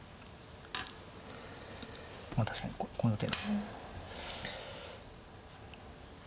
確かにこの手。